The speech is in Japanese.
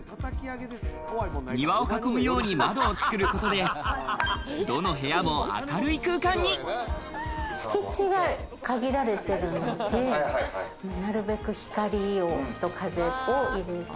庭を囲むように窓を作ることで、どの部屋も明るい空敷地が限られてるんで、なるべく光と風を入れて。